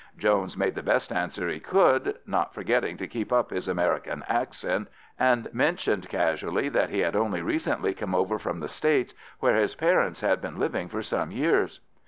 Jones made the best answers he could, not forgetting to keep up his American accent, and mentioned casually that he had only recently come over from the States, where his parents had been living for some years.